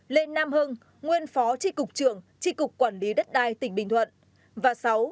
năm lê nam hưng nguyên phó tri cục trưởng tri cục quản lý đất đai tỉnh bình thuận